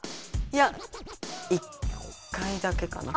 いや１回だけかな。